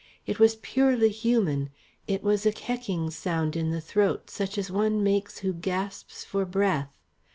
It was purely human, it was a kecking sound in the throat, such as one makes who gasps for breath.